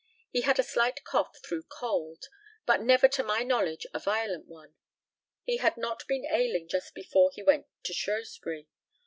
He had a slight cough through cold, but never to my knowledge a violent one. He had not been ailing just before he went to Shrewsbury.